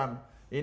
ini nggak cukup